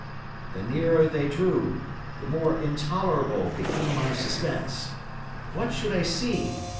The nearer they drew, the more intolerable became my suspense. What should I see?